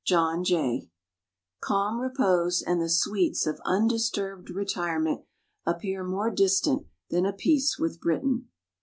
JOHN JAY Calm repose and the sweets of undisturbed retirement appear more distant than a peace with Britain.